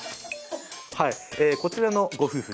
こちらのご夫婦